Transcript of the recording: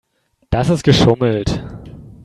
Das ist geschummelt.